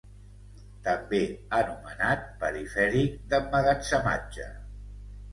També anomenat perifèric d'emmagatzematge.